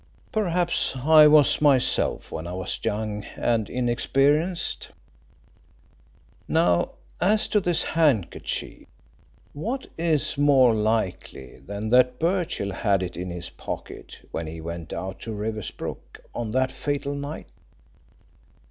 Perhaps I was myself, when I was young and inexperienced. Now, as to this handkerchief: what is more likely than that Birchill had it in his pocket when he went out to Riversbrook on that fatal night?